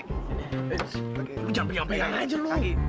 eh jangan pergi sampai yang ngejar lu